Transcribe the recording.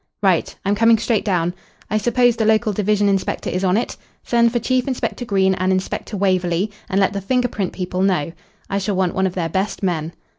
"Right. I'm coming straight down. I suppose the local division inspector is on it. Send for Chief Inspector Green and Inspector Waverley, and let the finger print people know. I shall want one of their best men.